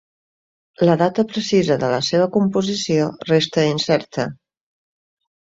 La data precisa de la seva composició resta incerta.